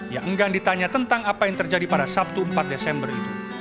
yang enggan ditanya tentang apa yang terjadi pada sabtu empat desember itu